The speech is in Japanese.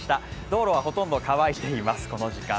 道路はほとんど乾いています、この時間。